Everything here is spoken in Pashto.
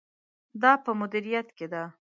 دا په مدیریت کې ده.